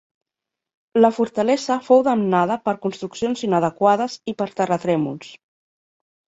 La fortalesa fou damnada per construccions inadequades i per terratrèmols.